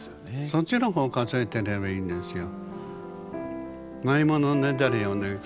そっちの方数えてればいいんですよ。